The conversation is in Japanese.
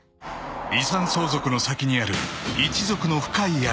［遺産相続の先にある一族の深い闇］